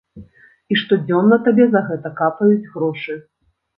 І штодзённа табе за гэта капаюць грошы.